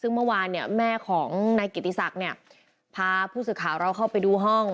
ซึ่งเมื่อวานเนี่ยแม่ของนายกิติศักดิ์เนี่ยพาผู้สื่อข่าวเราเข้าไปดูห้อง